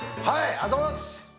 ありがとうございます！